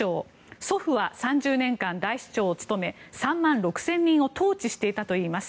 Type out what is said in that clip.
祖父は３０年間、大首長を務め３万６０００人を統治していたといいます。